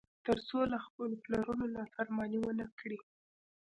تر څو له خپلو پلرونو نافرماني ونه کړي.